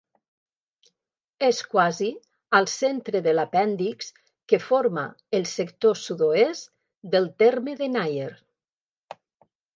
És quasi al centre de l'apèndix que forma el sector sud-oest del terme de Nyer.